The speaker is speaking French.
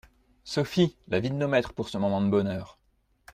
Sophie ! la vie de nos maîtres pour ce moment de bonheur !